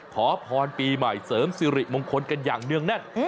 ขอพรปีใหม่เสริมสิริมงคลกันอย่างเนื่องแน่น